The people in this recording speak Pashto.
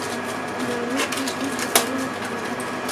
نالوستي زموږ په کورونو کې دي.